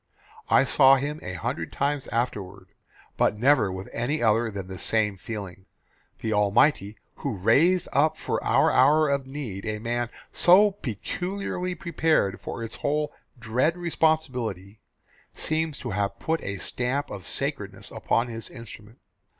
I saw him a hundred times afterward but never with any other than the same feeling. The Almighty, who raised up for our hour of need a man so peculiarly prepared for its whole dread responsibility, seems to have put a stamp of sacredness upon his instrument.